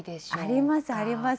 あります、あります。